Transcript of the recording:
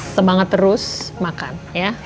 semangat terus makan ya